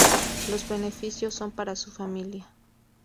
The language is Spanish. Los beneficios son para su familia.